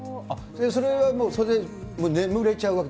それはもう、それで眠れちゃうわけ？